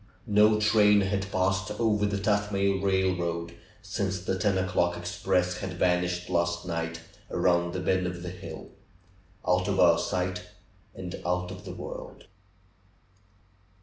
No train had passed over the Tuthmay railroad since the ten o'clock express had vanished last night around the bend of the hill — out of our sight, and out of the world